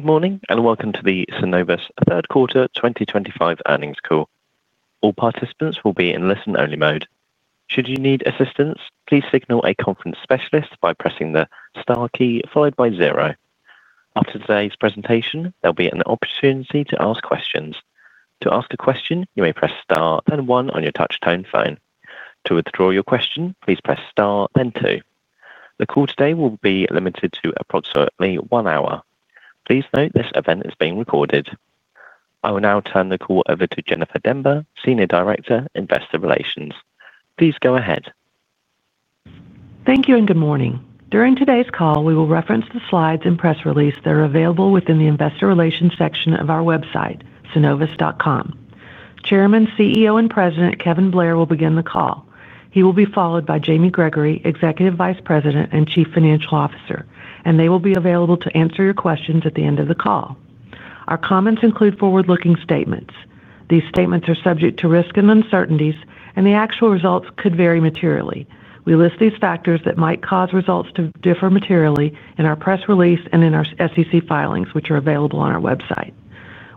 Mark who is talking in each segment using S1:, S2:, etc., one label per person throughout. S1: Good morning and welcome to the Synovus third quarter 2025 earnings call. All participants will be in listen-only mode. Should you need assistance, please signal a conference specialist by pressing the star key followed by zero. After today's presentation, there will be an opportunity to ask questions. To ask a question, you may press star and one on your touch-tone phone. To withdraw your question, please press star and two. The call today will be limited to approximately one hour. Please note this event is being recorded. I will now turn the call over to Jennifer Demba, Senior Director, Investor Relations. Please go ahead.
S2: Thank you and good morning. During today's call, we will reference the slides and press release that are available within the Investor Relations section of our website, synovus.com. Chairman, CEO, and President Kevin Blair will begin the call. He will be followed by Jamie Gregory, Executive Vice President and Chief Financial Officer, and they will be available to answer your questions at the end of the call. Our comments include forward-looking statements. These statements are subject to risk and uncertainties, and the actual results could vary materially. We list these factors that might cause results to differ materially in our press release and in our SEC filings, which are available on our website.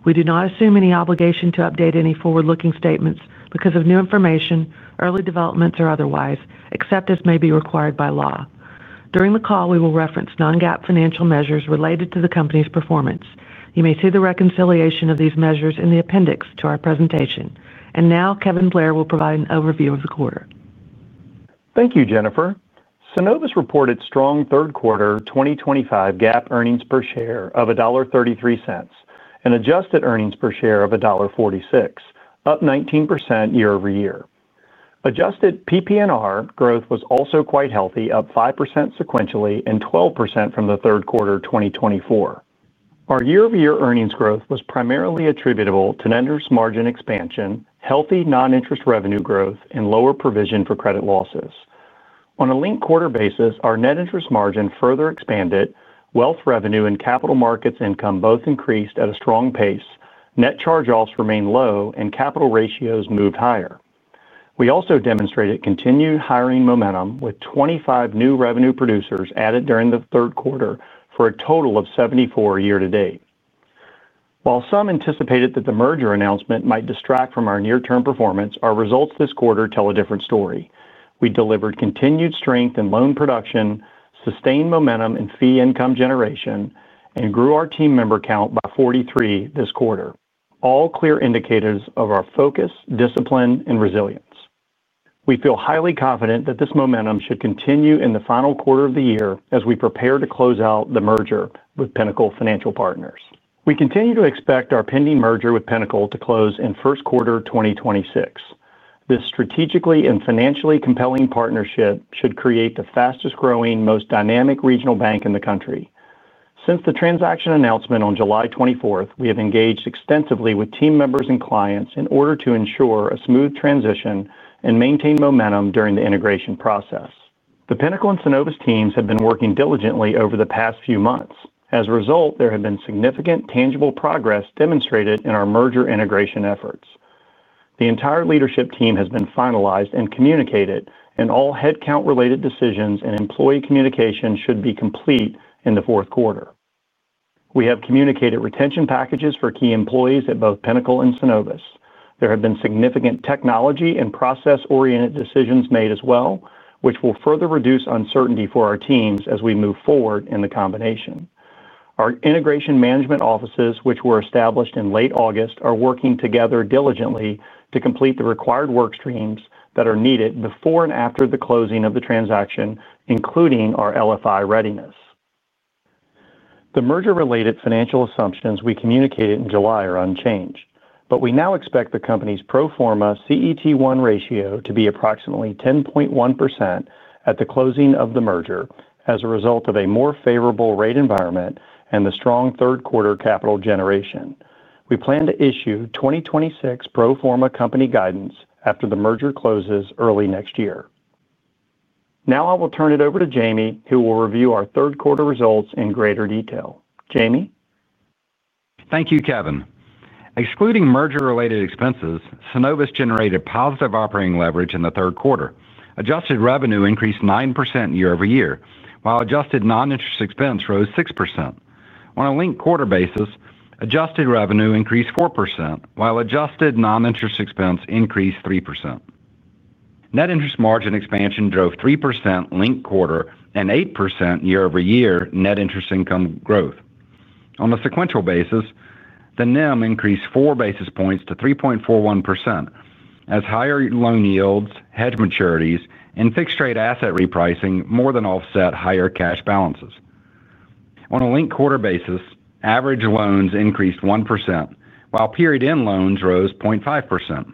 S2: We do not assume any obligation to update any forward-looking statements because of new information, early developments, or otherwise, except as may be required by law. During the call, we will reference non-GAAP financial measures related to the company's performance. You may see the reconciliation of these measures in the appendix to our presentation. Kevin Blair will provide an overview of the quarter.
S3: Thank you, Jennifer. Synovus reported strong third quarter 2025 GAAP earnings per share of $1.33 and adjusted earnings per share of $1.46, up 19% year-over-year. Adjusted pre-provision net revenue growth was also quite healthy, up 5% sequentially and 12% from the third quarter 2024. Our year-over-year earnings growth was primarily attributable to net interest margin expansion, healthy non-interest revenue growth, and lower provision for credit losses. On a linked quarter basis, our net interest margin further expanded, wealth management revenue and capital markets income both increased at a strong pace, net charge-offs remained low, and capital ratios moved higher. We also demonstrated continued hiring momentum with 25 new revenue producers added during the third quarter for a total of 74 year to date. While some anticipated that the merger announcement might distract from our near-term performance, our results this quarter tell a different story. We delivered continued strength in loan production, sustained momentum in fee income generation, and grew our team member count by 43 this quarter, all clear indicators of our focus, discipline, and resilience. We feel highly confident that this momentum should continue in the final quarter of the year as we prepare to close out the merger with Pinnacle Financial Partners. We continue to expect our pending merger with Pinnacle to close in first quarter 2026. This strategically and financially compelling partnership should create the fastest growing, most dynamic regional bank in the country. Since the transaction announcement on July 24, we have engaged extensively with team members and clients in order to ensure a smooth transition and maintain momentum during the integration process. The Pinnacle and Synovus teams have been working diligently over the past few months. As a result, there has been significant tangible progress demonstrated in our merger integration efforts. The entire leadership team has been finalized and communicated, and all headcount-related decisions and employee communication should be complete in the fourth quarter. We have communicated retention packages for key employees at both Pinnacle and Synovus. There have been significant technology and process-oriented decisions made as well, which will further reduce uncertainty for our teams as we move forward in the combination. Our integration management offices, which were established in late August, are working together diligently to complete the required work streams that are needed before and after the closing of the transaction, including our LFI readiness. The merger-related financial assumptions we communicated in July are unchanged, but we now expect the company's pro forma CET1 ratio to be approximately 10.1% at the closing of the merger as a result of a more favorable rate environment and the strong third quarter capital generation. We plan to issue 2026 pro forma company guidance after the merger closes early next year. Now I will turn it over to Jamie, who will review our third quarter results in greater detail. Jamie?
S4: Thank you, Kevin. Excluding merger-related expenses, Synovus generated positive operating leverage in the third quarter. Adjusted revenue increased 9% year-over-year, while adjusted non-interest expense rose 6%. On a linked quarter basis, adjusted revenue increased 4%, while adjusted non-interest expense increased 3%. Net interest margin expansion drove 3% linked quarter and 8% year-over-year net interest income growth. On a sequential basis, the net interest margin increased 4 basis points to 3.41% as higher loan yields, hedge maturities, and fixed-rate asset repricing more than offset higher cash balances. On a linked quarter basis, average loans increased 1%, while period-end loans rose 0.5%.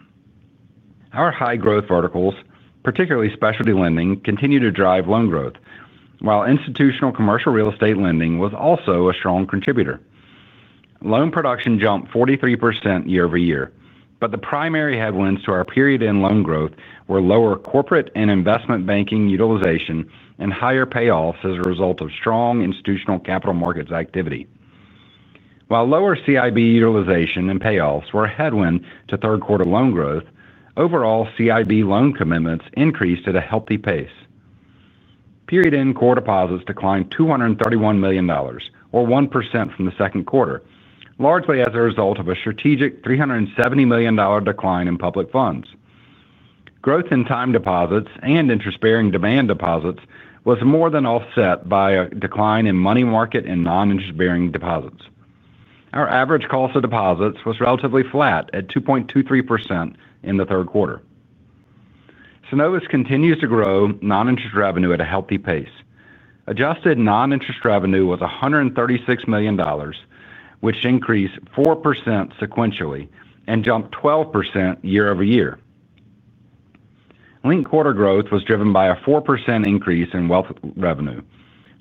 S4: Our high-growth verticals, particularly specialty lending, continue to drive loan growth, while institutional commercial real estate lending was also a strong contributor. Loan production jumped 43% year-over-year, but the primary headwinds to our period-end loan growth were lower corporate and investment banking utilization and higher payoffs as a result of strong institutional capital markets activity. While lower corporate and investment banking utilization and payoffs were a headwind to third-quarter loan growth, overall corporate and investment banking loan commitments increased at a healthy pace. Period-end core deposits declined $231 million, or 1% from the second quarter, largely as a result of a strategic $370 million decline in public funds. Growth in time deposits and interest-bearing demand deposits was more than offset by a decline in money market and non-interest-bearing deposits. Our average cost of deposits was relatively flat at 2.23% in the third quarter. Synovus continues to grow non-interest revenue at a healthy pace. Adjusted non-interest revenue was $136 million, which increased 4% sequentially and jumped 12% year-over-year. Linked quarter growth was driven by a 4% increase in wealth revenue,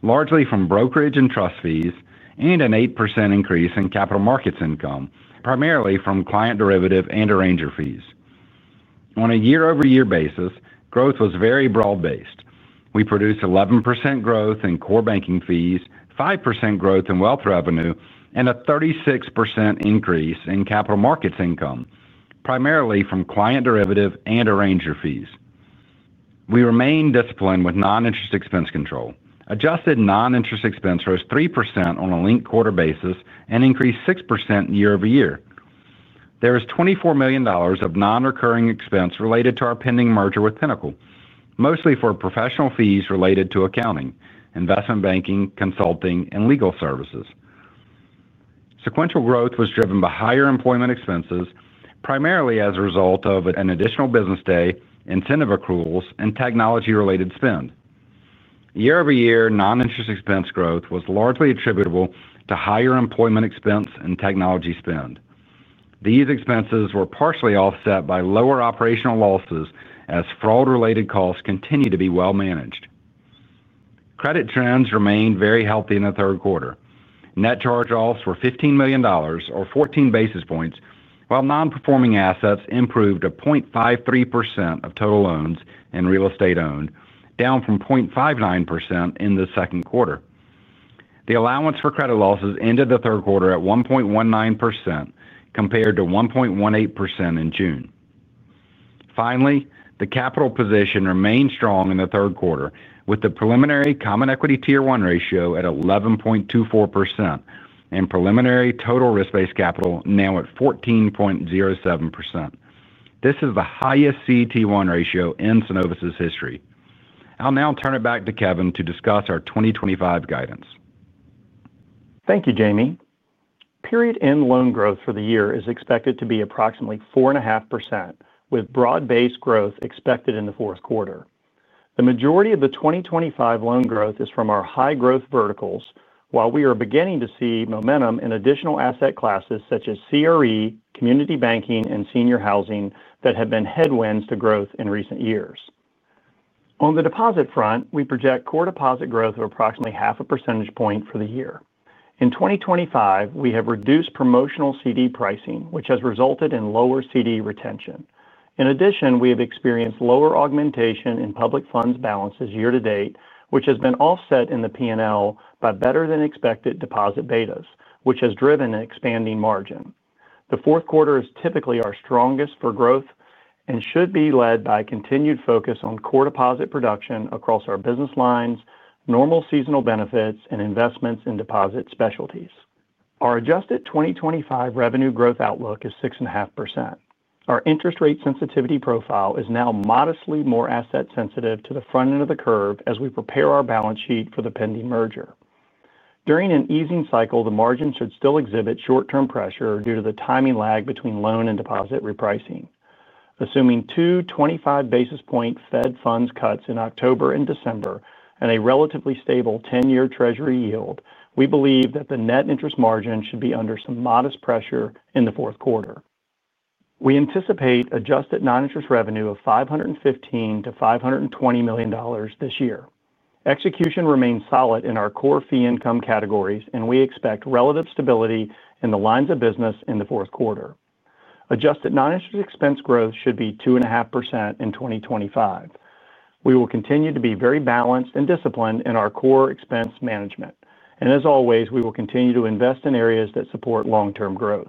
S4: largely from brokerage and trust fees, and an 8% increase in capital markets income, primarily from client derivative and arranger fees. On a year-over-year basis, growth was very broad-based. We produced 11% growth in core banking fees, 5% growth in wealth revenue, and a 36% increase in capital markets income, primarily from client derivative and arranger fees. We remain disciplined with non-interest expense control. Adjusted non-interest expense rose 3% on a linked quarter basis and increased 6% year-over-year. There is $24 million of non-recurring expense related to our pending merger with Pinnacle, mostly for professional fees related to accounting, investment banking, consulting, and legal services. Sequential growth was driven by higher employment expenses, primarily as a result of an additional business day, incentive accruals, and technology-related spend. Year-over-year non-interest expense growth was largely attributable to higher employment expense and technology spend. These expenses were partially offset by lower operational losses as fraud-related costs continue to be well managed. Credit trends remained very healthy in the third quarter. Net charge-offs were $15 million, or 14 basis points, while non-performing assets improved to 0.53% of total loans and real estate owned, down from 0.59% in the second quarter. The allowance for credit losses ended the third quarter at 1.19% compared to 1.18% in June. Finally, the capital position remained strong in the third quarter, with the preliminary common equity tier one ratio at 11.24% and preliminary total risk-based capital now at 14.07%. This is the highest CET1 ratio in Synovus's history. I'll now turn it back to Kevin to discuss our 2025 guidance.
S3: Thank you, Jamie. Period-end loan growth for the year is expected to be approximately 4.5%, with broad-based growth expected in the fourth quarter. The majority of the 2025 loan growth is from our high-growth verticals, while we are beginning to see momentum in additional asset classes such as institutional commercial real estate, community banking, and senior housing that have been headwinds to growth in recent years. On the deposit front, we project core deposit growth of approximately 0.5 percentage point for the year. In 2025, we have reduced promotional CD pricing, which has resulted in lower CD retention. In addition, we have experienced lower augmentation in public funds balances year to date, which has been offset in the P&L by better-than-expected deposit betas, which has driven an expanding margin. The fourth quarter is typically our strongest for growth and should be led by continued focus on core deposit production across our business lines, normal seasonal benefits, and investments in deposit specialties. Our adjusted 2025 revenue growth outlook is 6.5%. Our interest rate sensitivity profile is now modestly more asset-sensitive to the front end of the curve as we prepare our balance sheet for the pending merger. During an easing cycle, the margin should still exhibit short-term pressure due to the timing lag between loan and deposit repricing. Assuming two 25-basis-point Fed funds cuts in October and December and a relatively stable 10-year Treasury yield, we believe that the net interest margin should be under some modest pressure in the fourth quarter. We anticipate adjusted non-interest revenue of $515 million-$520 million this year. Execution remains solid in our core fee income categories, and we expect relative stability in the lines of business in the fourth quarter. Adjusted non-interest expense growth should be 2.5% in 2025. We will continue to be very balanced and disciplined in our core expense management, and as always, we will continue to invest in areas that support long-term growth.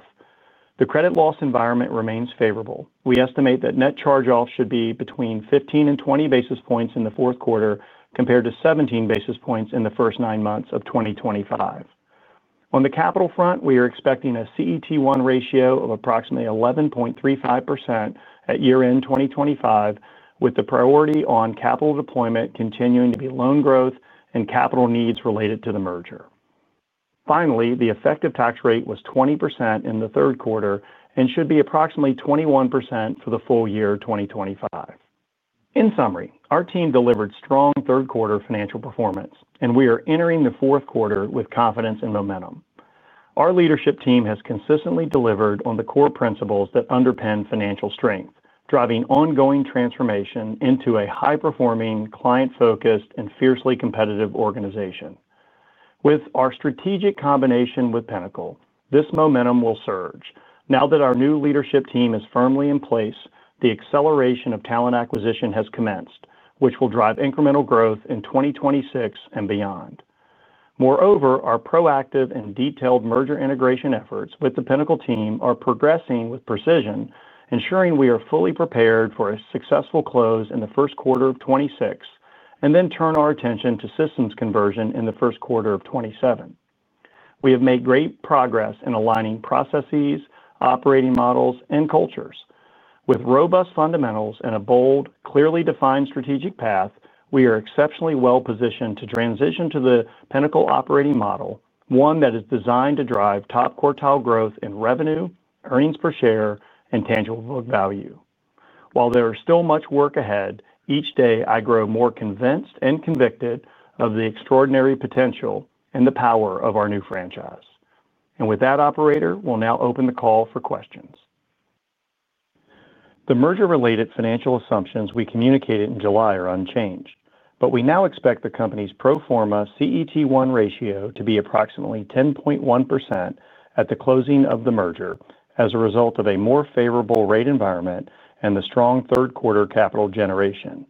S3: The credit loss environment remains favorable. We estimate that net charge-offs should be between 15 basis points and 20 basis points in the fourth quarter compared to 17 basis points in the first nine months of 2025. On the capital front, we are expecting a CET1 ratio of approximately 11.35% at year-end 2025, with the priority on capital deployment continuing to be loan growth and capital needs related to the merger. Finally, the effective tax rate was 20% in the third quarter and should be approximately 21% for the full year 2025. In summary, our team delivered strong third-quarter financial performance, and we are entering the fourth quarter with confidence and momentum. Our leadership team has consistently delivered on the core principles that underpin financial strength, driving ongoing transformation into a high-performing, client-focused, and fiercely competitive organization. With our strategic combination with Pinnacle, this momentum will surge. Now that our new leadership team is firmly in place, the acceleration of talent acquisition has commenced, which will drive incremental growth in 2026 and beyond. Moreover, our proactive and detailed merger integration efforts with the Pinnacle team are progressing with precision, ensuring we are fully prepared for a successful close in the first quarter of 2026 and then turn our attention to systems conversion in the first quarter of 2027. We have made great progress in aligning processes, operating models, and cultures. With robust fundamentals and a bold, clearly defined strategic path, we are exceptionally well positioned to transition to the Pinnacle operating model, one that is designed to drive top quartile growth in revenue, earnings per share, and tangible book value. While there is still much work ahead, each day I grow more convinced and convicted of the extraordinary potential and the power of our new franchise. With that, operator, we'll now open the call for questions. The merger-related financial assumptions we communicated in July are unchanged, but we now expect the company's pro forma CET1 ratio to be approximately 10.1% at the closing of the merger as a result of a more favorable rate environment and the strong third-quarter capital generation.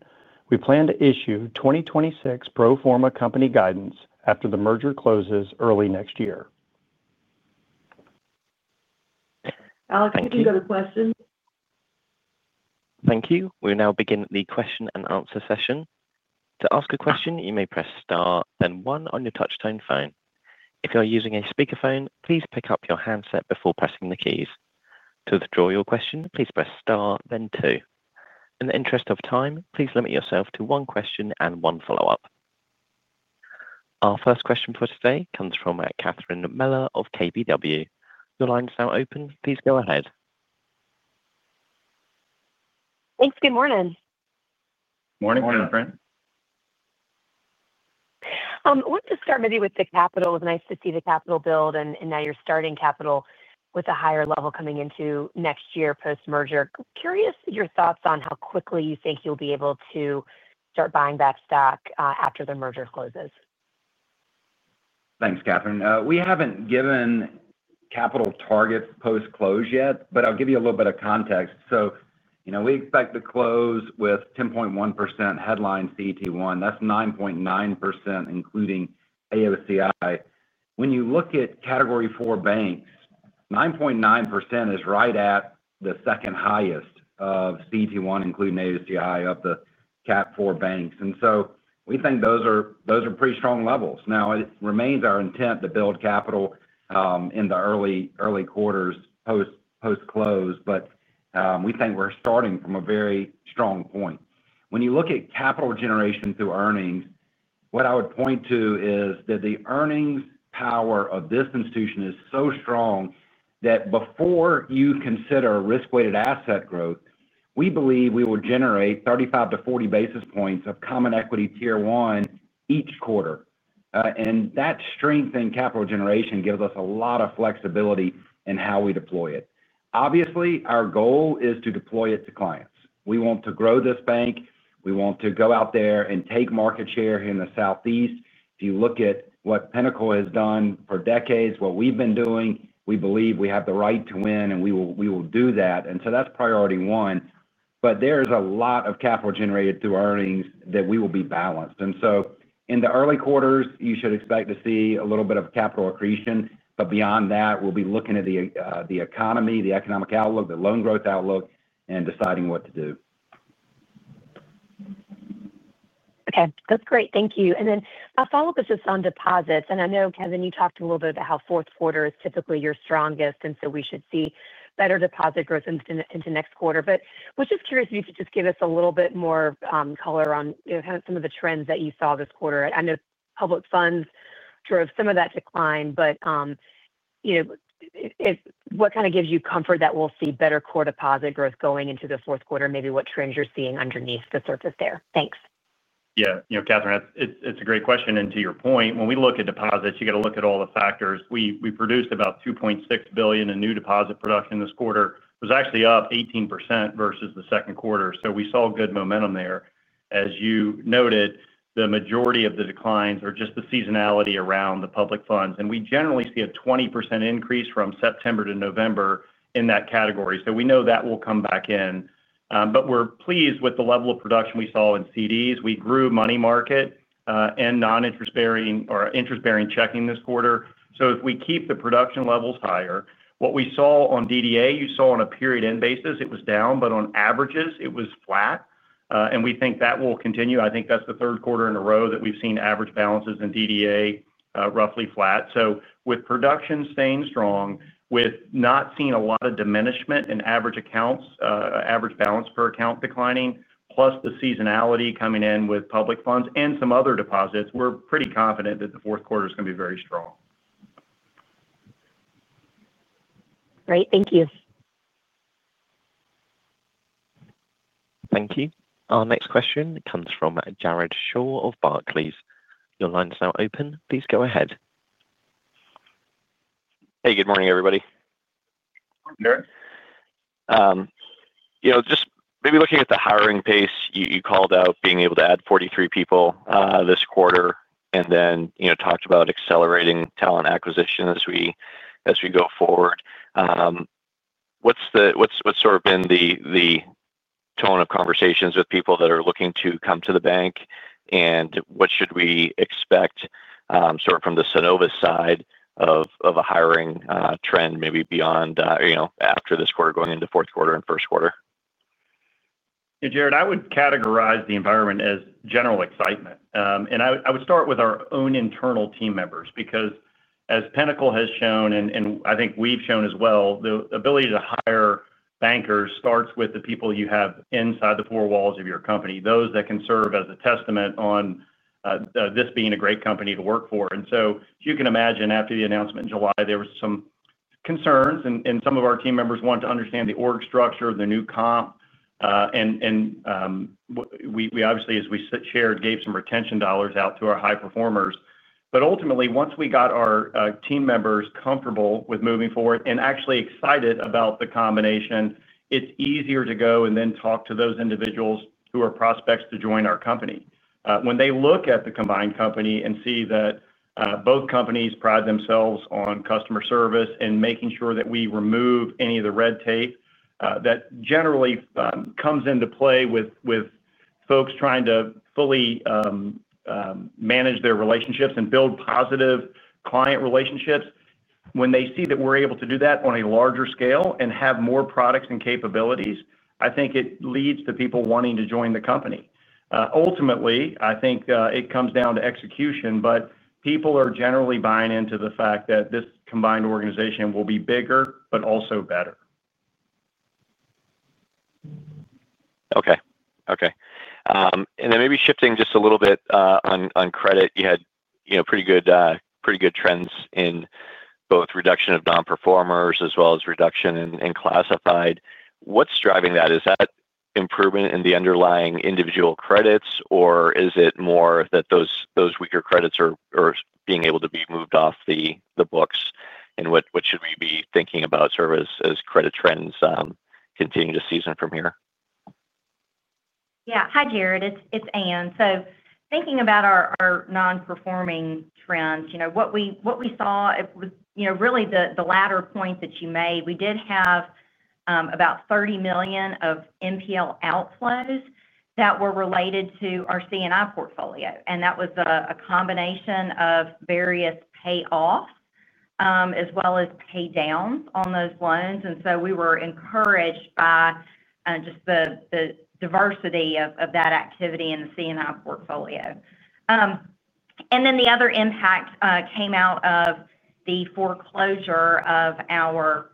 S3: We plan to issue 2026 pro forma company guidance after the merger closes early next year.
S2: Alex, we can go to questions.
S1: Thank you. We'll now begin the question-and-answer session. To ask a question, you may press star, then one on your touch-tone phone. If you're using a speaker phone, please pick up your handset before pressing the keys. To withdraw your question, please press star, then two. In the interest of time, please limit yourself to one question and one follow-up. Our first question for today comes from Catherine Mealor of KBW. Your line's now open. Please go ahead.
S5: Thanks. Good morning.
S3: Morning, Catherine.
S4: Morning.
S5: I wanted to start maybe with the capital. It was nice to see the capital build, and now you're starting capital with a higher level coming into next year post-merger. Curious your thoughts on how quickly you think you'll be able to start buying back stock after the merger closes.
S3: Thanks, Katherine. We haven't given capital targets post-close yet, but I'll give you a little bit of context. We expect to close with 10.1% headline CET1. That's 9.9%, including AOCI. When you look at category four banks, 9.9% is right at the second highest of CET1, including AOCI, of the cap four banks. We think those are pretty strong levels. It remains our intent to build capital in the early quarters post-close, but we think we're starting from a very strong point. When you look at capital generation through earnings, what I would point to is that the earnings power of this institution is so strong that before you consider risk-weighted asset growth, we believe we will generate 35 basis points-40 basis points of common equity tier one each quarter. That strength in capital generation gives us a lot of flexibility in how we deploy it. Obviously, our goal is to deploy it to clients. We want to grow this bank. We want to go out there and take market share here in the Southeast. If you look at what Pinnacle has done for decades, what we've been doing, we believe we have the right to win, and we will do that. That's priority one. There's a lot of capital generated through earnings that we will be balanced. In the early quarters, you should expect to see a little bit of capital accretion, but beyond that, we'll be looking at the economy, the economic outlook, the loan growth outlook, and deciding what to do.
S5: Okay. That's great. Thank you. My follow-up is just on deposits. I know, Kevin, you talked a little bit about how fourth quarter is typically your strongest, and we should see better deposit growth into next quarter. I was just curious if you could give us a little bit more color on some of the trends that you saw this quarter. I know public funds drove some of that decline, but what kind of gives you comfort that we'll see better core deposit growth going into the fourth quarter and maybe what trends you're seeing underneath the surface there? Thanks.
S3: Yeah. You know, Katherine, it's a great question. To your point, when we look at deposits, you got to look at all the factors. We produced about $2.6 billion in new deposit production this quarter. It was actually up 18% versus the second quarter. We saw good momentum there. As you noted, the majority of the declines are just the seasonality around the public funds. We generally see a 20% increase from September to November in that category. We know that will come back in. We're pleased with the level of production we saw in CDs. We grew money market and non-interest-bearing or interest-bearing checking this quarter. If we keep the production levels higher, what we saw on DDA, you saw on a period-end basis, it was down, but on averages, it was flat. We think that will continue. I think that's the third quarter in a row that we've seen average balances in DDA roughly flat. With production staying strong, with not seeing a lot of diminishment in average accounts, average balance per account declining, plus the seasonality coming in with public funds and some other deposits, we're pretty confident that the fourth quarter is going to be very strong.
S5: Great. Thank you.
S1: Thank you. Our next question comes from Jared Shaw of Barclays. Your line's now open. Please go ahead.
S6: Hey, good morning, everybody. Just maybe looking at the hiring pace, you called out being able to add 43 people this quarter and then talked about accelerating talent acquisition as we go forward. What's sort of been the tone of conversations with people that are looking to come to the bank, and what should we expect from the Synovus side of a hiring trend maybe beyond after this quarter going into fourth quarter and first quarter?
S3: Yeah, Jared, I would categorize the environment as general excitement. I would start with our own internal team members because as Pinnacle has shown, and I think we've shown as well, the ability to hire bankers starts with the people you have inside the four walls of your company, those that can serve as a testament on this being a great company to work for. As you can imagine, after the announcement in July, there were some concerns, and some of our team members wanted to understand the org structure, the new comp. We obviously, as we shared, gave some retention dollars out to our high performers. Ultimately, once we got our team members comfortable with moving forward and actually excited about the combination, it's easier to go and then talk to those individuals who are prospects to join our company. When they look at the combined company and see that both companies pride themselves on customer service and making sure that we remove any of the red tape that generally comes into play with folks trying to fully manage their relationships and build positive client relationships, when they see that we're able to do that on a larger scale and have more products and capabilities, I think it leads to people wanting to join the company. Ultimately, I think it comes down to execution, but people are generally buying into the fact that this combined organization will be bigger, but also better.
S6: Okay. Okay. Maybe shifting just a little bit on credit, you had pretty good trends in both reduction of non-performers as well as reduction in classified. What's driving that? Is that improvement in the underlying individual credits, or is it more that those weaker credits are being able to be moved off the books? What should we be thinking about sort of as credit trends continue to season from here?
S7: Yeah. Hi, Jared. It's Anne. Thinking about our non-performing trends, what we saw was really the latter point that you made. We did have about $30 million of NPL outflows that were related to our C&I portfolio. That was a combination of various payoffs as well as paydowns on those loans. We were encouraged by just the diversity of that activity in the C&I portfolio. The other impact came out of the foreclosure of our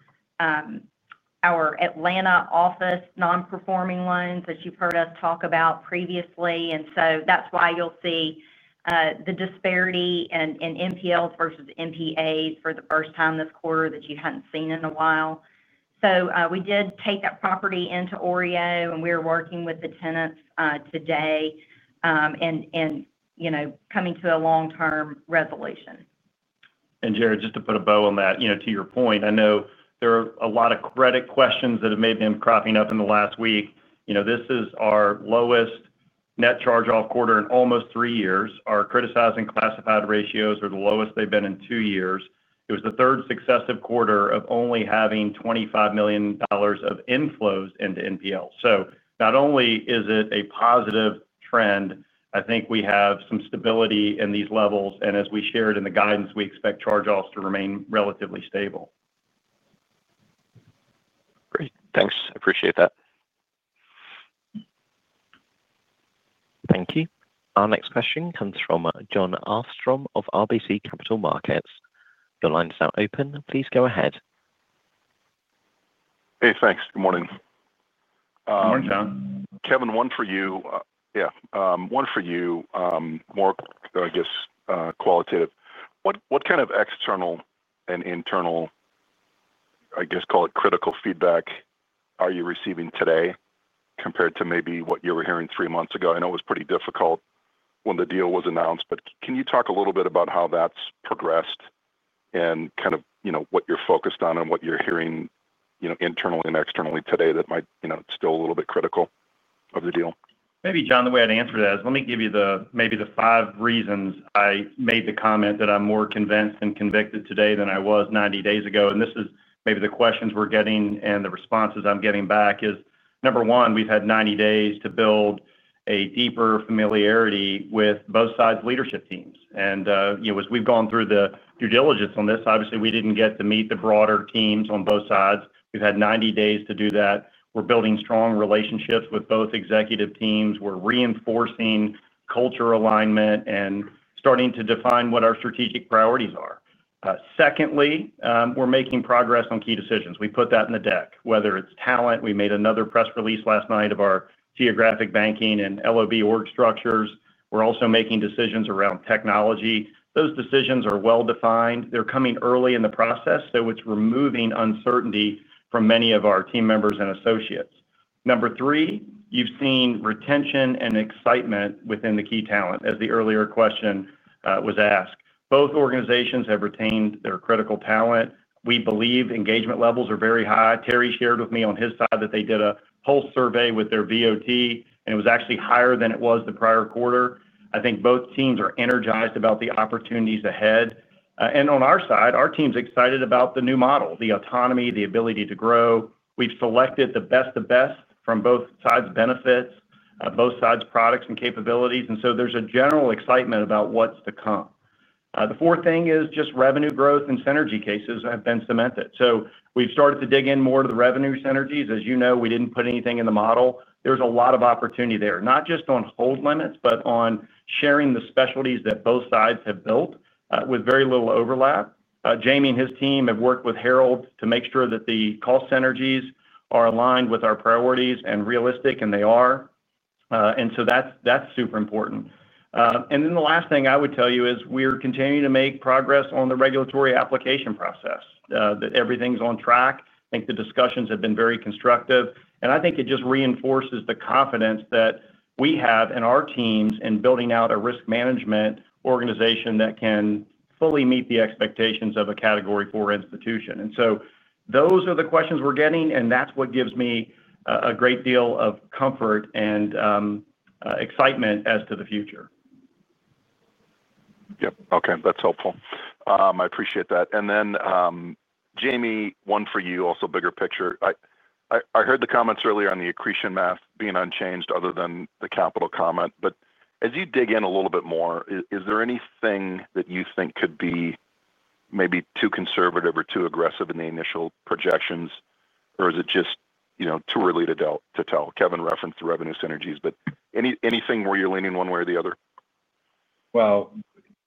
S7: Atlanta office non-performing loans, as you've heard us talk about previously. That is why you'll see the disparity in NPLs versus NPAs for the first time this quarter that you hadn't seen in a while. We did take that property into OREO, and we are working with the tenants today in coming to a long-term resolution.
S3: Jared, just to put a bow on that, to your point, I know there are a lot of credit questions that have maybe been cropping up in the last week. This is our lowest net charge-off quarter in almost three years. Our criticizing classified ratios are the lowest they've been in two years. It was the third successive quarter of only having $25 million of inflows into NPL. Not only is it a positive trend, I think we have some stability in these levels. As we shared in the guidance, we expect charge-offs to remain relatively stable.
S6: Great. Thanks. I appreciate that.
S1: Thank you. Our next question comes from Jon Arfstrom of RBC Capital Markets. Your line's now open. Please go ahead.
S8: Hey, thanks. Good morning.
S3: Morning, John.
S8: Kevin, one for you. One for you, more I guess qualitative. What kind of external and internal, I guess call it critical feedback, are you receiving today compared to maybe what you were hearing three months ago? I know it was pretty difficult when the deal was announced, but can you talk a little bit about how that's progressed and what you're focused on and what you're hearing internally and externally today that might still be a little bit critical of the deal?
S3: Maybe, John, the way I'd answer that is let me give you maybe the five reasons I made the comment that I'm more convinced and convicted today than I was 90 days ago. This is maybe the questions we're getting and the responses I'm getting back. Number one, we've had 90 days to build a deeper familiarity with both sides' leadership teams. As we've gone through the due diligence on this, obviously, we didn't get to meet the broader teams on both sides. We've had 90 days to do that. We're building strong relationships with both executive teams. We're reinforcing culture alignment and starting to define what our strategic priorities are. Secondly, we're making progress on key decisions. We put that in the deck. Whether it's talent, we made another press release last night of our geographic banking and LOB org structures. We're also making decisions around technology. Those decisions are well-defined. They're coming early in the process, so it's removing uncertainty from many of our team members and associates. Number three, you've seen retention and excitement within the key talent, as the earlier question was asked. Both organizations have retained their critical talent. We believe engagement levels are very high. Terry shared with me on his side that they did a pulse survey with their VOT, and it was actually higher than it was the prior quarter. I think both teams are energized about the opportunities ahead. On our side, our team's excited about the new model, the autonomy, the ability to grow. We've selected the best of best from both sides' benefits, both sides' products and capabilities. There's a general excitement about what's to come. The fourth thing is just revenue growth and synergy cases have been cemented. We've started to dig in more to the revenue synergies. As you know, we didn't put anything in the model. There's a lot of opportunity there, not just on hold limits, but on sharing the specialties that both sides have built with very little overlap. Jamie and his team have worked with Harold to make sure that the cost synergies are aligned with our priorities and realistic, and they are. That's super important. The last thing I would tell you is we're continuing to make progress on the regulatory application process, that everything's on track. I think the discussions have been very constructive. I think it just reinforces the confidence that we have in our teams in building out a risk management organization that can fully meet the expectations of a category four institution. Those are the questions we're getting, and that's what gives me a great deal of comfort and excitement as to the future.
S8: Okay. That's helpful. I appreciate that. Jamie, one for you, also bigger picture. I heard the comments earlier on the accretion math being unchanged other than the capital comment. As you dig in a little bit more, is there anything that you think could be maybe too conservative or too aggressive in the initial projections, or is it just too early to tell? Kevin referenced the revenue synergies, but anything where you're leaning one way or the other?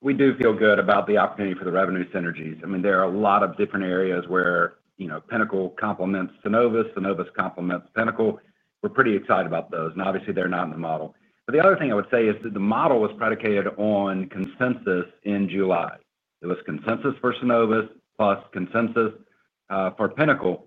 S4: We do feel good about the opportunity for the revenue synergies. There are a lot of different areas where Pinnacle complements Synovus, Synovus complements Pinnacle. We're pretty excited about those. Obviously, they're not in the model. The other thing I would say is that the model was predicated on consensus in July. It was consensus for Synovus plus consensus for Pinnacle.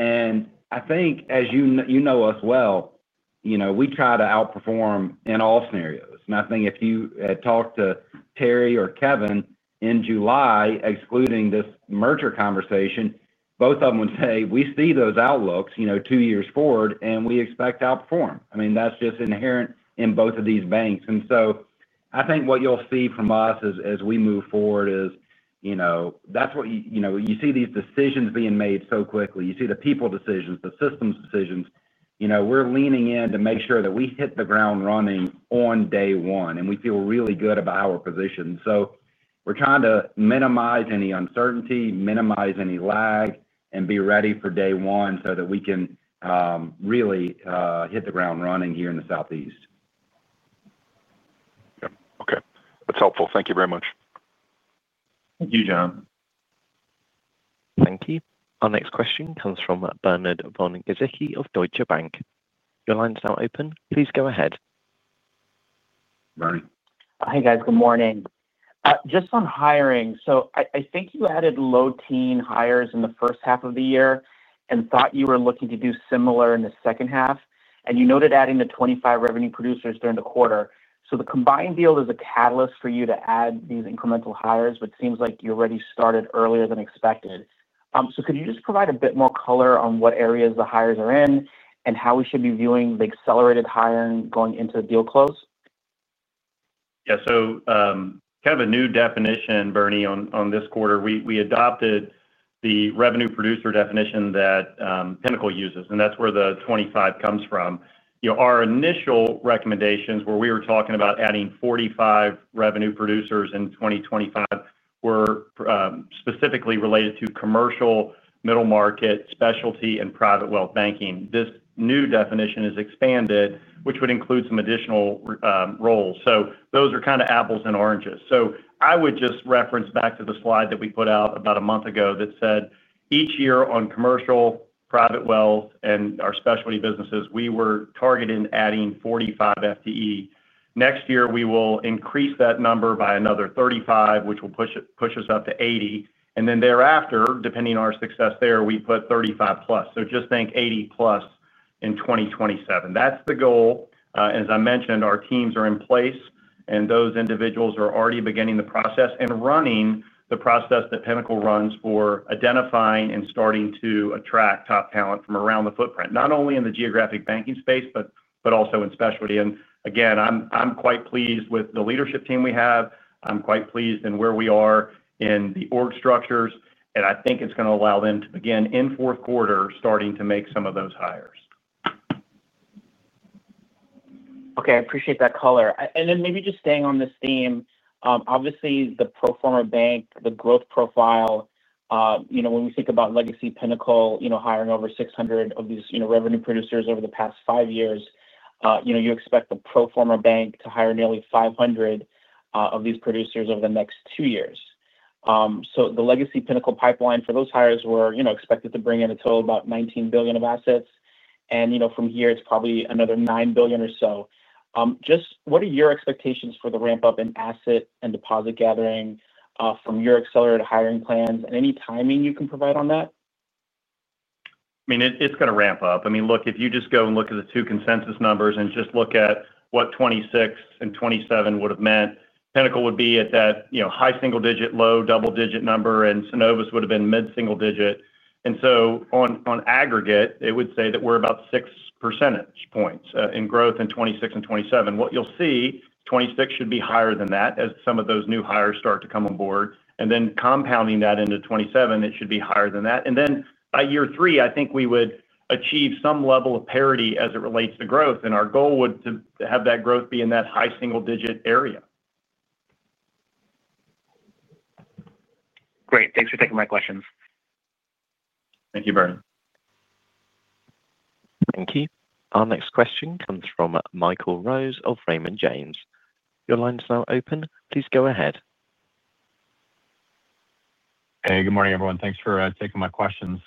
S4: I think, as you know us well, you know, we try to outperform in all scenarios. I think if you had talked to Terry or Kevin in July, excluding this merger conversation, both of them would say, "We see those outlooks, you know, two years forward, and we expect to outperform." That's just inherent in both of these banks. I think what you'll see from us as we move forward is, you know, that's what you see these decisions being made so quickly. You see the people decisions, the systems decisions. We're leaning in to make sure that we hit the ground running on day one, and we feel really good about our position. We're trying to minimize any uncertainty, minimize any lag, and be ready for day one so that we can, really, hit the ground running here in the Southeast.
S8: Yeah, okay. That's helpful. Thank you very much.
S3: Thank you, John.
S1: Thank you. Our next question comes from Bernard Von Gizycki of Deutsche Bank. Your line's now open. Please go ahead.
S3: Morning.
S9: Hey, guys. Good morning. Just on hiring. I think you added low-teens hires in the first half of the year and thought you were looking to do similar in the second half. You noted adding the 25 revenue producers during the quarter. Is the combined deal a catalyst for you to add these incremental hires, which seems like you already started earlier than expected? Could you just provide a bit more color on what areas the hires are in and how we should be viewing the accelerated hiring going into the deal close?
S3: Yeah. Kind of a new definition, Bernie, on this quarter. We adopted the revenue producer definition that Pinnacle uses, and that's where the 25 comes from. Our initial recommendations where we were talking about adding 45 revenue producers in 2025 were specifically related to commercial, middle market, specialty, and private wealth banking. This new definition has expanded, which would include some additional roles. Those are kind of apples and oranges. I would just reference back to the slide that we put out about a month ago that said each year on commercial, private wealth, and our specialty businesses, we were targeting adding 45 FTE. Next year, we will increase that number by another 35, which will push us up to 80. Thereafter, depending on our success there, we put 35+. Just think 80+ in 2027. That's the goal. As I mentioned, our teams are in place, and those individuals are already beginning the process and running the process that Pinnacle runs for identifying and starting to attract top talent from around the footprint, not only in the geographic banking space, but also in specialty. Again, I'm quite pleased with the leadership team we have. I'm quite pleased in where we are in the org structures. I think it's going to allow them to begin in fourth quarter starting to make some of those hires.
S9: Okay. I appreciate that color. Maybe just staying on this theme, obviously, the pro forma bank, the growth profile, you know, when we think about legacy Pinnacle, you know, hiring over 600 of these, you know, revenue producers over the past five years, you know, you expect the pro forma bank to hire nearly 500 of these producers over the next two years. The legacy Pinnacle pipeline for those hires was, you know, expected to bring in a total of about $19 billion of assets, and, you know, from here, it's probably another $9 billion or so. What are your expectations for the ramp-up in asset and deposit gathering from your accelerated hiring plans and any timing you can provide on that?
S3: It's going to ramp up. Look, if you just go and look at the two consensus numbers and just look at what 2026 and 2027 would have meant, Pinnacle would be at that high single-digit, low double-digit number, and Synovus would have been mid-single-digit. On aggregate, it would say that we're about 6% in growth in 2026 and 2027. What you'll see, 2026 should be higher than that as some of those new hires start to come on board. Compounding that into 2027, it should be higher than that. By year three, I think we would achieve some level of parity as it relates to growth. Our goal would be to have that growth be in that high single-digit area.
S9: Great. Thanks for taking my questions.
S3: Thank you, Bernie.
S1: Thank you. Our next question comes from Michael Rose of Raymond James. Your line's now open. Please go ahead.
S10: Hey, good morning, everyone. Thanks for taking my questions.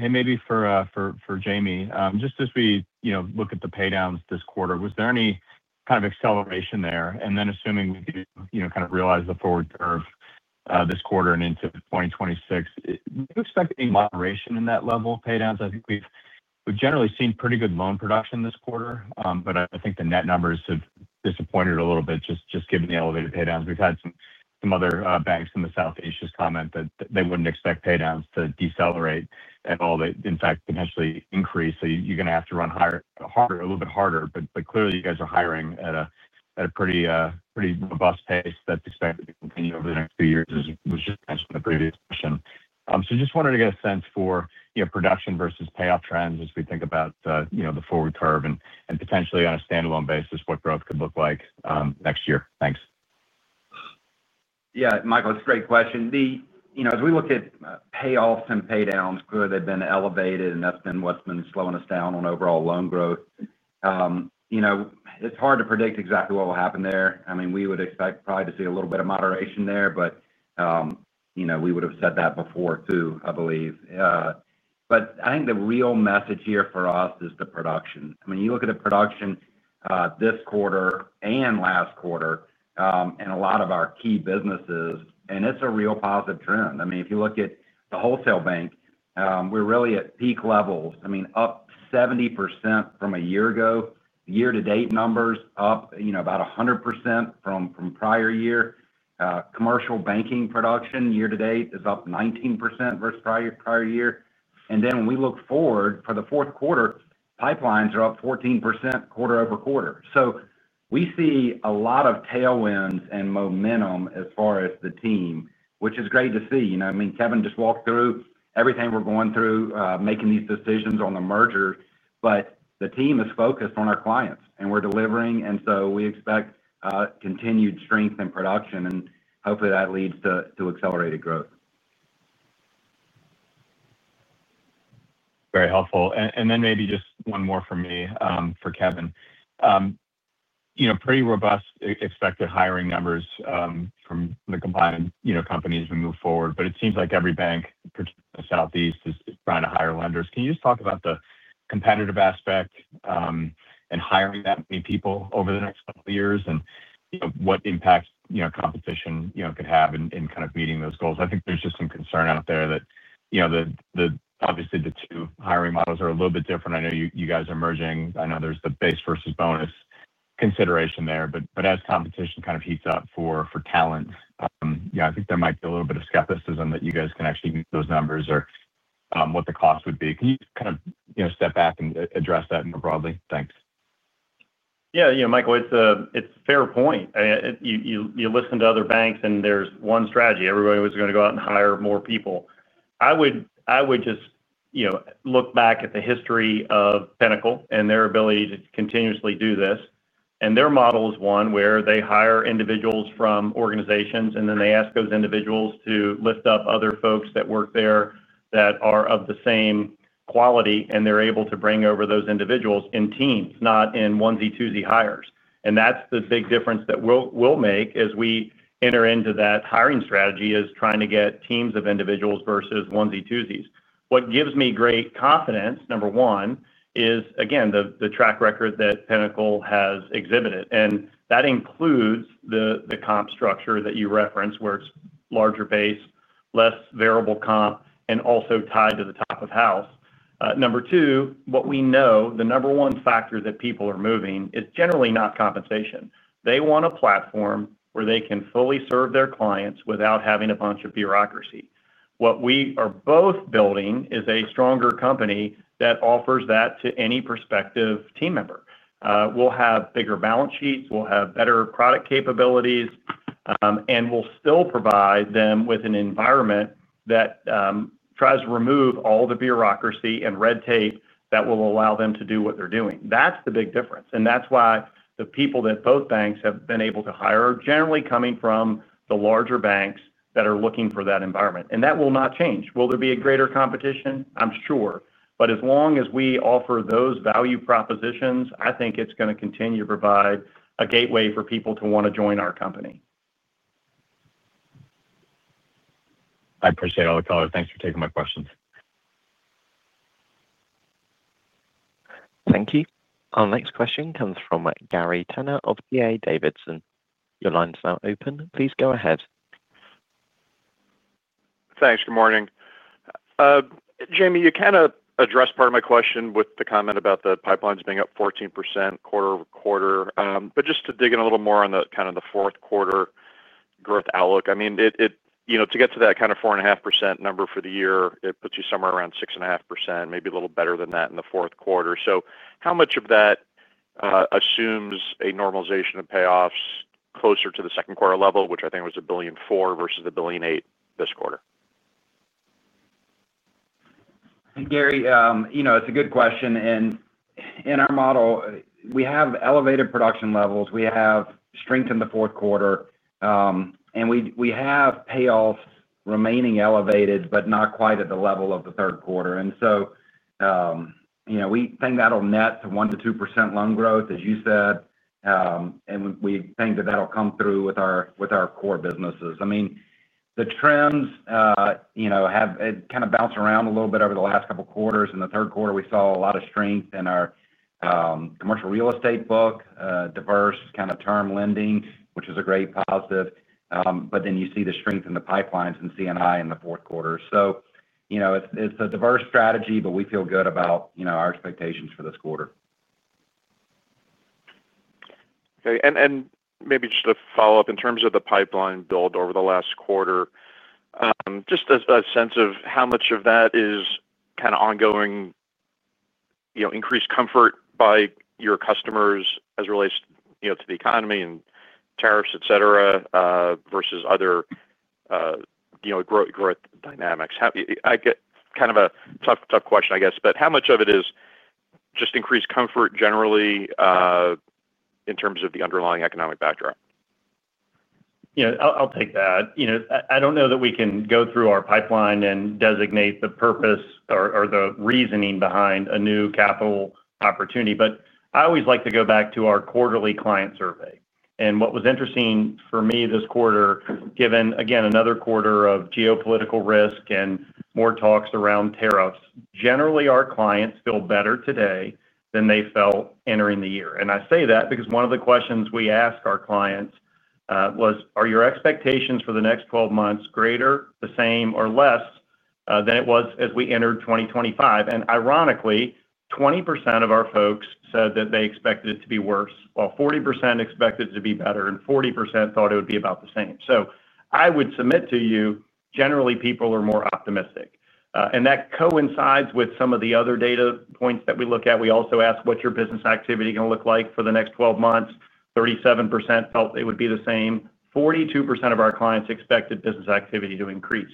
S10: Maybe for Jamie, just as we look at the paydowns this quarter, was there any kind of acceleration there? And then assuming we do realize the forward curve this quarter and into 2026, do you expect any moderation in that level of paydowns? I think we've generally seen pretty good loan production this quarter, but I think the net numbers have disappointed a little bit, just given the elevated paydowns. We've had some other banks in the Southeast comment that they wouldn't expect paydowns to decelerate at all. They, in fact, potentially increase. You are going to have to run harder, a little bit harder. Clearly, you guys are hiring at a pretty robust pace that's expected to continue over the next few years, as was just mentioned in the previous question. I just wanted to get a sense for production versus payoff trends as we think about the forward curve and potentially on a standalone basis what growth could look like next year. Thanks.
S4: Yeah, Michael, it's a great question. As we look at payoffs and paydowns, clearly they've been elevated, and that's been what's been slowing us down on overall loan growth. It's hard to predict exactly what will happen there. We would expect probably to see a little bit of moderation there, but we would have said that before, too, I believe. I think the real message here for us is the production. You look at the production this quarter and last quarter in a lot of our key businesses, and it's a real positive trend. If you look at the wholesale bank, we're really at peak levels, up 70% from a year ago. The year-to-date numbers are up about 100% from prior year. Commercial banking production year-to-date is up 19% versus prior year. When we look forward for the fourth quarter, pipelines are up 14% quarter-over-quarter. We see a lot of tailwinds and momentum as far as the team, which is great to see. Kevin just walked through everything we're going through making these decisions on the merger, but the team is focused on our clients, and we're delivering. We expect continued strength in production, and hopefully, that leads to accelerated growth.
S10: Very helpful. Maybe just one more for me for Kevin. You know, pretty robust expected hiring numbers from the combined companies as we move forward. It seems like every bank, particularly in the Southeast, is trying to hire lenders. Can you just talk about the competitive aspect and hiring that many people over the next couple of years and what impact competition could have in kind of meeting those goals? I think there's just some concern out there that, obviously, the two hiring models are a little bit different. I know you guys are merging. I know there's the base versus bonus consideration there. As competition kind of heats up for talent, I think there might be a little bit of skepticism that you guys can actually meet those numbers or what the cost would be. Can you kind of step back and address that more broadly? Thanks.
S3: Yeah. Michael, it's a fair point. I mean, you listen to other banks, and there's one strategy. Everybody was going to go out and hire more people. I would just look back at the history of Pinnacle and their ability to continuously do this. Their model is one where they hire individuals from organizations, and then they ask those individuals to lift up other folks that work there that are of the same quality, and they're able to bring over those individuals in teams, not in onesie-twosie hires. That's the big difference that we'll make as we enter into that hiring strategy, trying to get teams of individuals versus onesie-twosies. What gives me great confidence, number one, is, again, the track record that Pinnacle has exhibited. That includes the comp structure that you referenced, where it's larger base, less variable comp, and also tied to the top of house. Number two, what we know, the number one factor that people are moving is generally not compensation. They want a platform where they can fully serve their clients without having a bunch of bureaucracy. What we are both building is a stronger company that offers that to any prospective team member. We'll have bigger balance sheets. We'll have better product capabilities, and we'll still provide them with an environment that tries to remove all the bureaucracy and red tape that will allow them to do what they're doing. That's the big difference. That's why the people that both banks have been able to hire are generally coming from the larger banks that are looking for that environment. That will not change. Will there be greater competition? I'm sure. As long as we offer those value propositions, I think it's going to continue to provide a gateway for people to want to join our company.
S10: I appreciate all the color. Thanks for taking my questions.
S1: Thank you. Our next question comes from Gary Tenner of D.A. Davidson. Your line's now open. Please go ahead.
S11: Thanks. Good morning. Jamie, you kind of addressed part of my question with the comment about the pipelines being up 14% quarter-over-quarter. Just to dig in a little more on the kind of the fourth quarter growth outlook, to get to that kind of 4.5% number for the year, it puts you somewhere around 6.5%, maybe a little better than that in the fourth quarter. How much of that assumes a normalization of payoffs closer to the second quarter level, which I think was $1.4 billion versus $1.8 billion this quarter?
S3: Gary, you know, it's a good question. In our model, we have elevated production levels. We have strength in the fourth quarter, and we have payoffs remaining elevated, but not quite at the level of the third quarter. We think that'll net to 1%-2% loan growth, as you said, and we think that that'll come through with our core businesses. The trends have kind of bounced around a little bit over the last couple of quarters. In the third quarter, we saw a lot of strength in our commercial real estate book, diverse kind of term lending, which is a great positive. You see the strength in the pipelines and C&I in the fourth quarter. It's a diverse strategy, but we feel good about our expectations for this quarter.
S11: Okay. Maybe just a follow-up in terms of the pipeline build over the last quarter, just a sense of how much of that is kind of ongoing, increased comfort by your customers as it relates to the economy and tariffs, etc., versus other growth dynamics. I get kind of a tough question, I guess. How much of it is just increased comfort generally, in terms of the underlying economic backdrop?
S4: Yeah, I'll take that. I don't know that we can go through our pipeline and designate the purpose or the reasoning behind a new capital opportunity. I always like to go back to our quarterly client survey. What was interesting for me this quarter, given, again, another quarter of geopolitical risk and more talks around tariffs, generally, our clients feel better today than they felt entering the year. I say that because one of the questions we ask our clients was, "Are your expectations for the next 12 months greater, the same, or less, than it was as we entered 2025?" Ironically, 20% of our folks said that they expected it to be worse, while 40% expected it to be better, and 40% thought it would be about the same. I would submit to you, generally, people are more optimistic. That coincides with some of the other data points that we look at. We also ask, "What's your business activity going to look like for the next 12 months?" 37% felt it would be the same. 42% of our clients expected business activity to increase.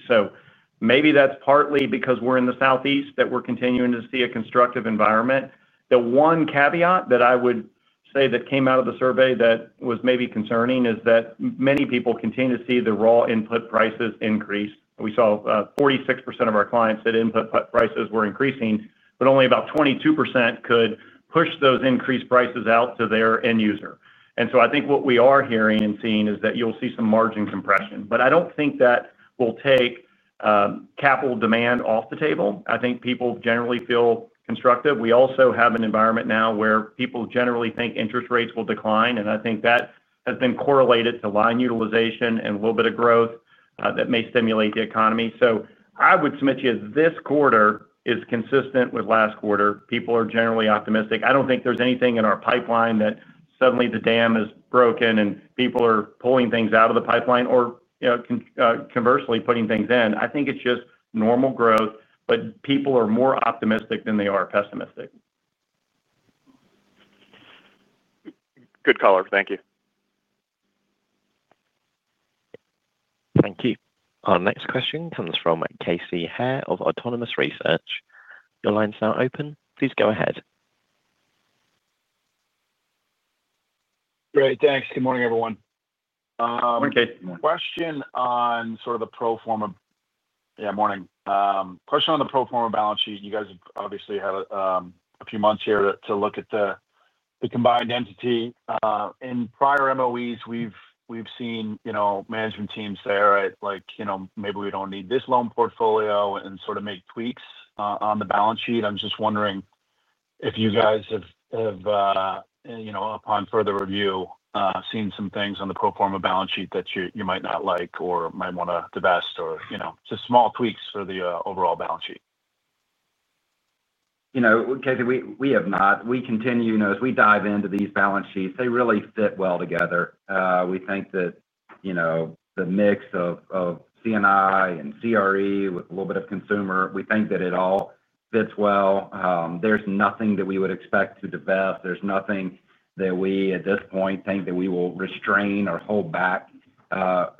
S4: Maybe that's partly because we're in the Southeast that we're continuing to see a constructive environment. The one caveat that I would say that came out of the survey that was maybe concerning is that many people continue to see the raw input prices increase. We saw 46% of our clients said input prices were increasing, but only about 22% could push those increased prices out to their end user. I think what we are hearing and seeing is that you'll see some margin compression. I don't think that will take capital demand off the table. I think people generally feel constructive. We also have an environment now where people generally think interest rates will decline. I think that has been correlated to line utilization and a little bit of growth that may stimulate the economy. I would submit to you this quarter is consistent with last quarter. People are generally optimistic. I don't think there's anything in our pipeline that suddenly the dam is broken and people are pulling things out of the pipeline or, conversely, putting things in. I think it's just normal growth, but people are more optimistic than they are pessimistic.
S11: Good color. Thank you.
S1: Thank you. Our next question comes from Casey Haire of Autonomous. Your line's now open. Please go ahead.
S12: Great. Thanks. Good morning, everyone.
S3: Morning, Casey.
S4: Good morning.
S12: Question on the pro forma balance sheet. You guys have obviously had a few months here to look at the combined entity. In prior MOEs, we've seen management teams say, "All right, like, you know, maybe we don't need this loan portfolio," and make tweaks on the balance sheet. I'm just wondering if you guys have, upon further review, seen some things on the pro forma balance sheet that you might not like or might want to divest or just small tweaks for the overall balance sheet.
S3: You know, Casey, we have not. We continue, as we dive into these balance sheets, they really fit well together. We think that the mix of C&I and CRE with a little bit of consumer, we think that it all fits well. There's nothing that we would expect to divest. There's nothing that we at this point think that we will restrain or hold back.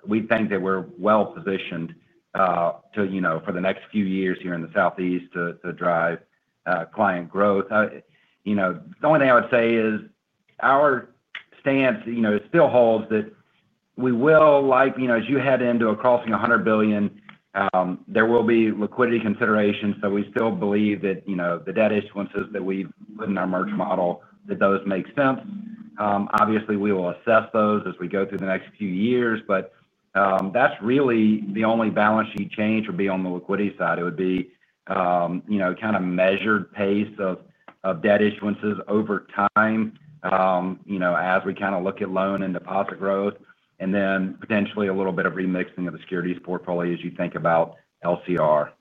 S3: We think that we're well-positioned for the next few years here in the Southeast to drive client growth. The only thing I would say is our stance still holds that we will, like, as you head into crossing $100 billion, there will be liquidity considerations. We still believe that the debt issuances that we've put in our merge model, that those make sense. Obviously, we will assess those as we go through the next few years. That's really the only balance sheet change would be on the liquidity side. It would be a kind of measured pace of debt issuances over time, as we kind of look at loan and deposit growth, and then potentially a little bit of remixing of the securities portfolio as you think about LCR.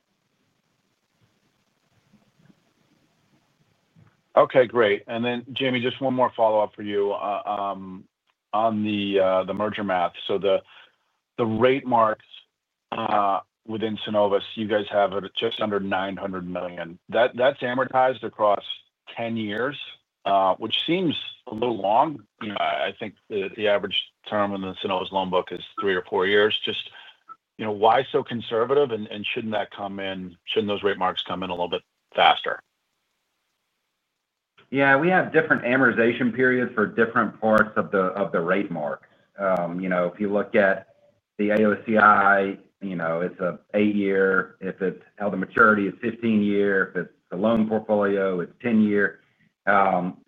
S12: Okay. Great. Jamie, just one more follow-up for you on the merger math. The rate marks within Synovus, you guys have just under $900 million. That's amortized across 10 years, which seems a little long. I think the average term in the Synovus loan book is three or four years. Just, you know, why so conservative? Shouldn't that come in? Shouldn't those rate marks come in a little bit faster?
S4: Yeah. We have different amortization periods for different parts of the rate marks. If you look at the AOCI, it's an 8-year. If it's held in maturity, it's 15-year. If it's a loan portfolio, it's 10-year.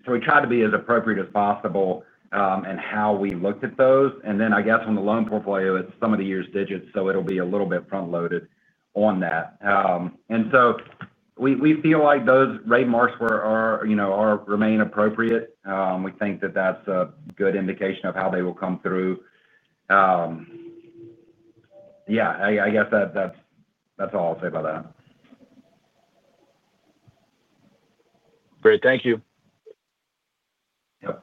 S4: We try to be as appropriate as possible in how we looked at those. On the loan portfolio, it's sum of the year's digits, so it'll be a little bit front-loaded on that. We feel like those rate marks remain appropriate. We think that that's a good indication of how they will come through. I guess that's all I'll say about that.
S12: Great. Thank you.
S3: Yep.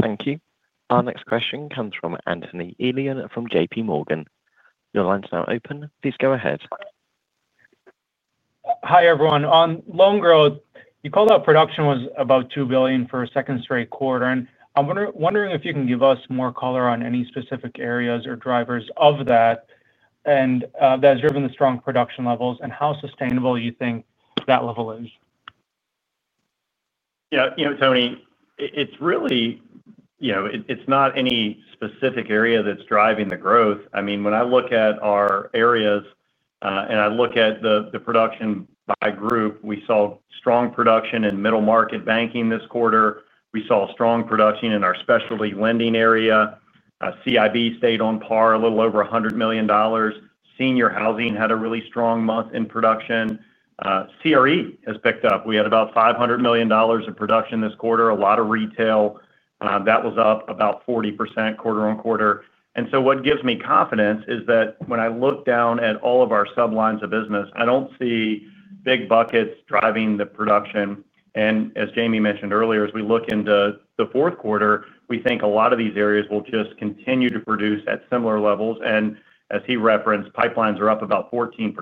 S1: Thank you. Our next question comes from Anthony Elian from JPMorgan. Your line's now open. Please go ahead.
S13: Hi, everyone. On loan growth, you called out production was about $2 billion for a second straight quarter. I'm wondering if you can give us more color on any specific areas or drivers of that, and that has driven the strong production levels, and how sustainable you think that level is.
S3: Yeah. You know, Tony, it's really not any specific area that's driving the growth. I mean, when I look at our areas and I look at the production by group, we saw strong production in middle market banking this quarter. We saw strong production in our specialty lending area. CIB stayed on par, a little over $100 million. Senior housing had a really strong month in production. CRE has picked up. We had about $500 million in production this quarter, a lot of retail. That was up about 40% quarter-on-quarter. What gives me confidence is that when I look down at all of our sublines of business, I don't see big buckets driving the production. As Jamie mentioned earlier, as we look into the fourth quarter, we think a lot of these areas will just continue to produce at similar levels. As he referenced, pipelines are up about 14%.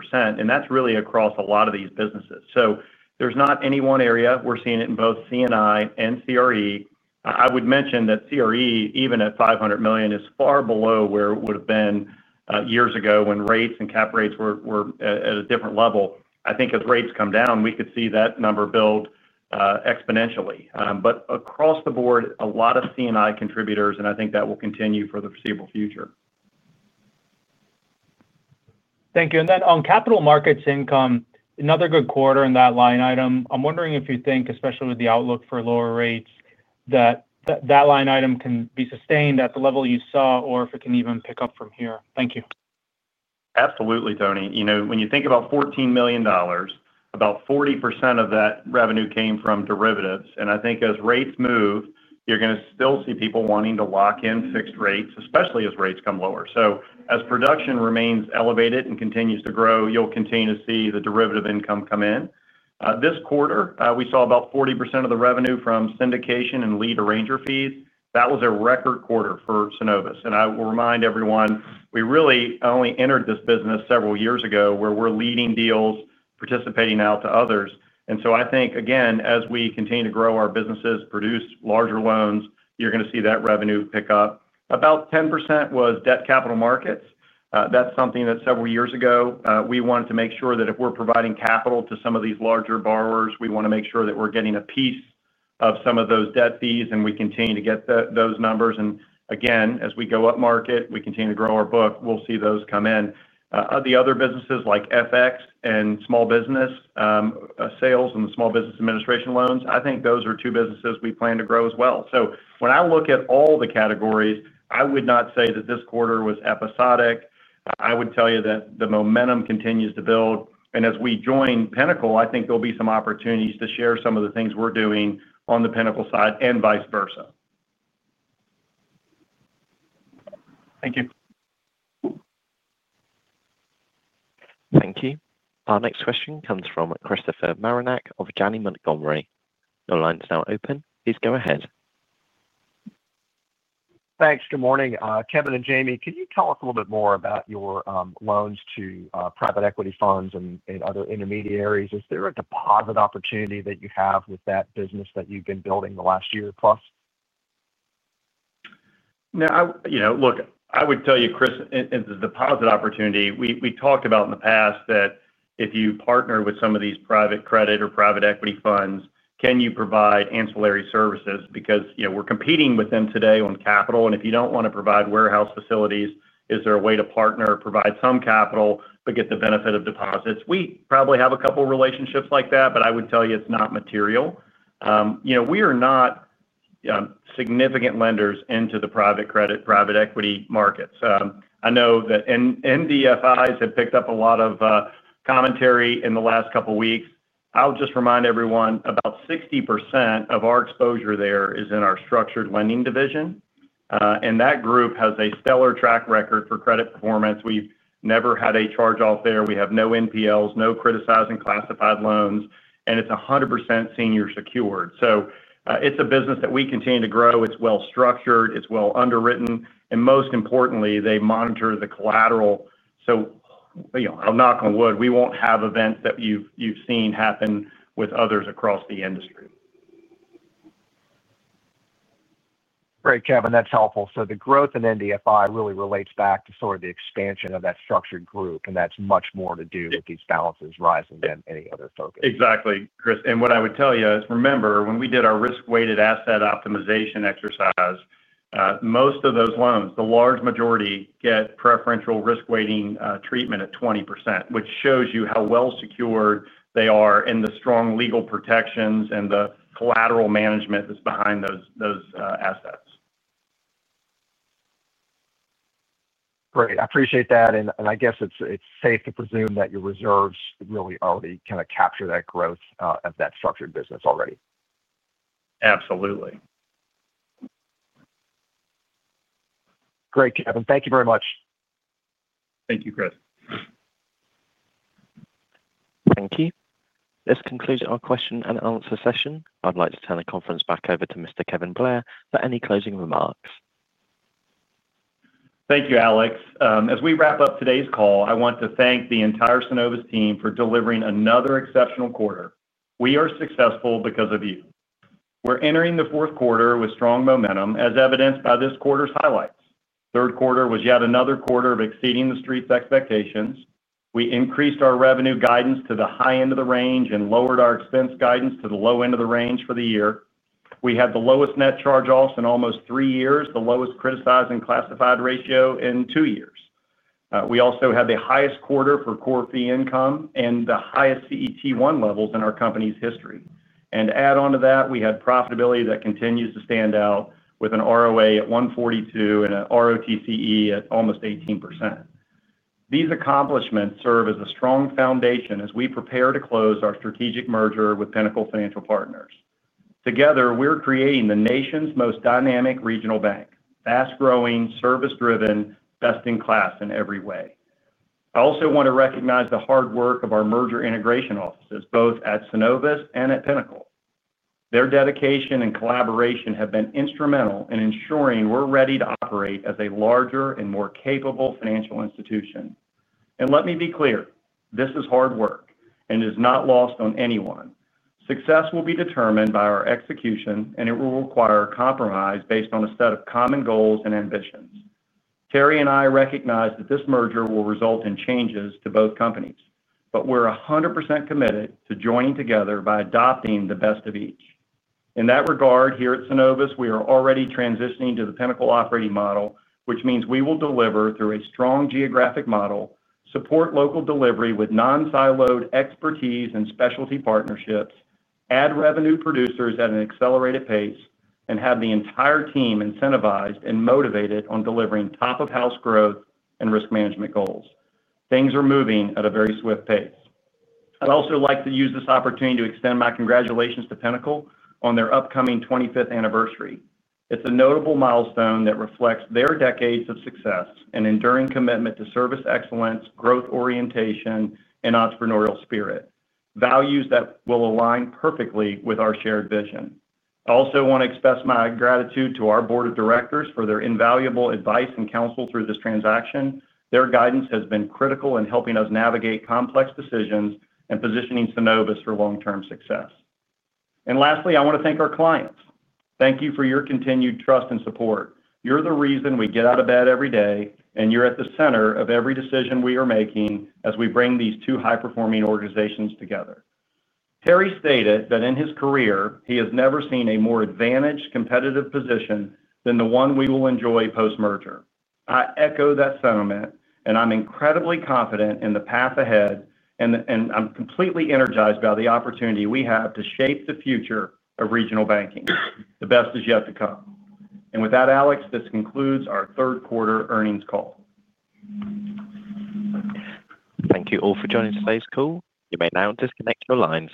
S3: That's really across a lot of these businesses. There's not any one area. We're seeing it in both C&I and CRE. I would mention that CRE, even at $500 million, is far below where it would have been years ago when rates and cap rates were at a different level. I think as rates come down, we could see that number build exponentially. Across the board, a lot of C&I contributors, and I think that will continue for the foreseeable future.
S13: Thank you. On capital markets income, another good quarter in that line item. I'm wondering if you think, especially with the outlook for lower rates, that that line item can be sustained at the level you saw or if it can even pick up from here. Thank you.
S4: Absolutely, Tony. When you think about $14 million, about 40% of that revenue came from derivatives. I think as rates move, you're going to still see people wanting to lock in fixed rates, especially as rates come lower. As production remains elevated and continues to grow, you'll continue to see the derivative income come in. This quarter, we saw about 40% of the revenue from syndication and lead arranger fees. That was a record quarter for Synovus. I will remind everyone, we really only entered this business several years ago where we're leading deals, participating out to others. I think, again, as we continue to grow our businesses, produce larger loans, you're going to see that revenue pick up. About 10% was debt capital markets. That's something that several years ago, we wanted to make sure that if we're providing capital to some of these larger borrowers, we want to make sure that we're getting a piece of some of those debt fees, and we continue to get those numbers. Again, as we go up market, we continue to grow our book, we'll see those come in. The other businesses like foreign exchange hedging and small business sales and the Small Business Administration loans, I think those are two businesses we plan to grow as well. When I look at all the categories, I would not say that this quarter was episodic. I would tell you that the momentum continues to build. As we join Pinnacle, I think there'll be some opportunities to share some of the things we're doing on the Pinnacle side and vice versa.
S13: Thank you.
S1: Thank you. Our next question comes from Christopher Marinac of Janney Montgomery. Your line's now open. Please go ahead.
S14: Thanks. Good morning. Kevin and Jamie, can you tell us a little bit more about your loans to private equity funds and other intermediaries? Is there a deposit opportunity that you have with that business that you've been building the last year plus?
S3: No. I would tell you, Chris, in the deposit opportunity, we talked about in the past that if you partner with some of these private credit or private equity funds, can you provide ancillary services? We're competing with them today on capital. If you don't want to provide warehouse facilities, is there a way to partner or provide some capital but get the benefit of deposits? We probably have a couple of relationships like that, but I would tell you it's not material. We are not significant lenders into the private credit, private equity markets. I know that NDFIs have picked up a lot of commentary in the last couple of weeks. I'll just remind everyone, about 60% of our exposure there is in our structured lending division. That group has a stellar track record for credit performance. We've never had a charge-off there. We have no NPLs, no criticized or classified loans, and it's 100% senior secured. It's a business that we continue to grow. It's well structured. It's well underwritten. Most importantly, they monitor the collateral. I'll knock on wood, we won't have events that you've seen happen with others across the industry.
S14: Great, Kevin. That's helpful. The growth in NDFI really relates back to the expansion of that structured group, and that's much more to do with these balances rising than any other focus.
S3: Exactly, Chris. What I would tell you is remember when we did our risk-weighted asset optimization exercise, most of those loans, the large majority, get preferential risk-weighting treatment at 20%, which shows you how well secured they are and the strong legal protections and the collateral management that's behind those assets.
S14: Great. I appreciate that. I guess it's safe to presume that your reserves really already kind of capture that growth of that structured business already.
S3: Absolutely.
S14: Great, Kevin. Thank you very much.
S3: Thank you, Chris.
S1: Thank you. This concludes our question-and-answer session. I'd like to turn the conference back over to Mr. Kevin Blair for any closing remarks.
S3: Thank you, Alex. As we wrap up today's call, I want to thank the entire Synovus team for delivering another exceptional quarter. We are successful because of you. We're entering the fourth quarter with strong momentum, as evidenced by this quarter's highlights. Third quarter was yet another quarter of exceeding the street's expectations. We increased our revenue guidance to the high end of the range and lowered our expense guidance to the low end of the range for the year. We had the lowest net charge-offs in almost three years, the lowest criticized classified ratio in two years. We also had the highest quarter for core fee income and the highest CET1 levels in our company's history. To add on to that, we had profitability that continues to stand out with an ROA at 1.42 and an ROTCE at almost 18%. These accomplishments serve as a strong foundation as we prepare to close our strategic merger with Pinnacle Financial Partners. Together, we're creating the nation's most dynamic regional bank: fast-growing, service-driven, best-in-class in every way. I also want to recognize the hard work of our merger integration offices, both at Synovus and at Pinnacle. Their dedication and collaboration have been instrumental in ensuring we're ready to operate as a larger and more capable financial institution. Let me be clear, this is hard work, and it is not lost on anyone. Success will be determined by our execution, and it will require a compromise based on a set of common goals and ambitions. Terry and I recognize that this merger will result in changes to both companies, but we're 100% committed to joining together by adopting the best of each. In that regard, here at Synovus, we are already transitioning to the Pinnacle operating model, which means we will deliver through a strong geographic model, support local delivery with non-siloed expertise and specialty partnerships, add revenue producers at an accelerated pace, and have the entire team incentivized and motivated on delivering top-of-house growth and risk management goals. Things are moving at a very swift pace. I'd also like to use this opportunity to extend my congratulations to Pinnacle on their upcoming 25th anniversary. It's a notable milestone that reflects their decades of success and enduring commitment to service excellence, growth orientation, and entrepreneurial spirit, values that will align perfectly with our shared vision. I also want to express my gratitude to our Board of Directors for their invaluable advice and counsel through this transaction. Their guidance has been critical in helping us navigate complex decisions and positioning Synovus for long-term success. Lastly, I want to thank our clients. Thank you for your continued trust and support. You're the reason we get out of bed every day, and you're at the center of every decision we are making as we bring these two high-performing organizations together. Terry stated that in his career, he has never seen a more advantaged competitive position than the one we will enjoy post-merger. I echo that sentiment, and I'm incredibly confident in the path ahead, and I'm completely energized by the opportunity we have to shape the future of regional banking. The best is yet to come. With that, Alex, this concludes our third quarter earnings call.
S1: Thank you all for joining today's call. You may now disconnect your lines.